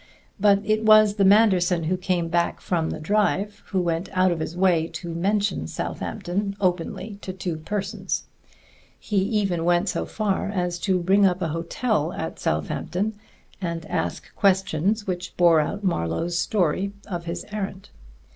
But it was the Manderson who came back from the drive who went out of his way to mention Southampton openly to two persons. _He even went so far as to ring up a hotel at Southampton and ask questions which bore out Marlowe's story of his errand.